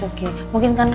aku potatoes adek x dua ya